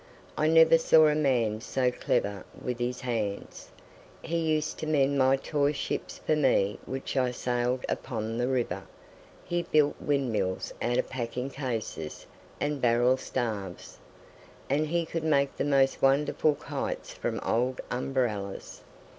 I never saw a man so clever with his hands. He used to mend my toy ships for me which I sailed upon the river; he built windmills out of packing cases and barrel staves; and he could make the most wonderful kites from old umbrellas.